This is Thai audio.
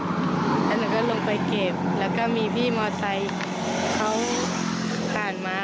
แล้วหนูก็ลงไปเก็บแล้วก็มีพี่มอไซค์เขาผ่านมา